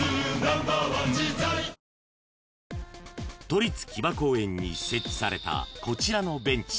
［都立木場公園に設置されたこちらの］